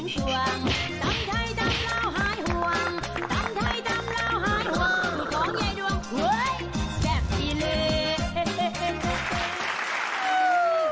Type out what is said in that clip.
ของใหญ่ดวงเฮ้ยแบบนี้เลย